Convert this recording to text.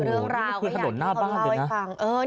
โหเรื่องราวก็อยากให้เขาเล่าให้ฟังนี่คือถนนหน้าบ้านเลยนะ